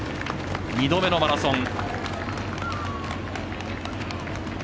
２度目のマラソン。